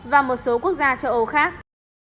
và một số quốc gia châu âu khác